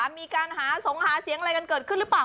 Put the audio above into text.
มีการหาเสียงอะไรและเกิดขึ้นแน็ตหรือเปล่า